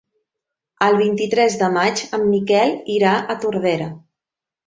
El vint-i-tres de maig en Miquel irà a Tordera.